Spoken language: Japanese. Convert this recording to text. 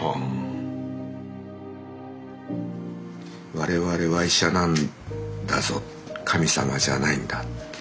「われわれは医者なんだぞ神様じゃないんだ」。